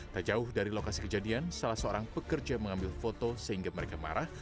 tak jauh dari lokasi kejadian salah seorang pekerja mengambil foto sehingga mereka marah